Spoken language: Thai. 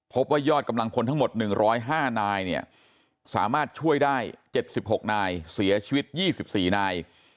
พบว่ายอดกำลังพลทั้งหมดหนึ่งร้อยห้านายเนี่ยสามารถช่วยได้เจ็ดสิบหกนายเสียชีวิตยี่สิบสี่นาย